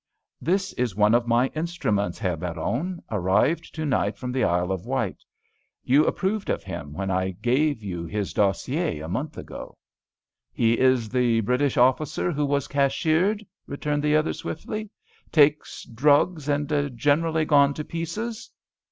"This is one of my instruments, Herr Baron, arrived to night from the Isle of Wight. You approved of him when I gave you his dossier a month ago." "He is the British officer who was cashiered," returned the other, swiftly. "Takes drugs, and generally gone to pieces?"